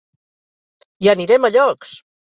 I anirem a llocs!